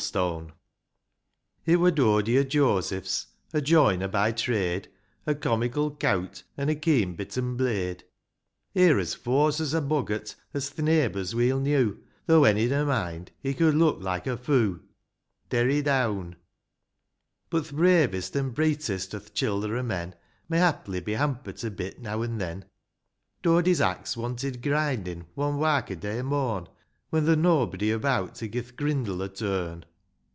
Mt MUU^imt, u m T wur Dody o' Joseph's, a joiner by trade, A comical cowt, and a keen bitten blade, He're as fause as a boggart, as th' neighbours weel knew, Though, when he'd a mind, he could look like a foo'. Deny down. II. But th' bravest and breetest o'th childer o' men. May haply be hamper't a bit now an' then ; Dody's axe wanted grindin', one wark a day morn. When there nob'dy about to gi' th' grindle a turn.